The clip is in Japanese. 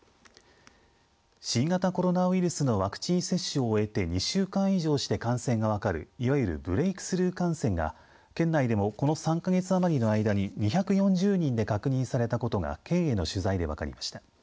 新型コロナウイルスのワクチン接種を終えて２週間以上して感染が分かるいわゆるブレイクスルー感染が県内でもこの３か月余りの間に２４０人で確認されたことが県への取材で分かりました。